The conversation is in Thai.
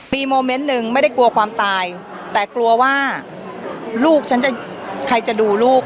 มีโมเมนต์หนึ่งไม่ได้กลัวความตายแต่กลัวว่าลูกฉันจะใครจะดูลูก